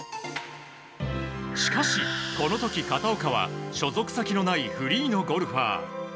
しかし、この時片岡は所属先のないフリーのゴルファー。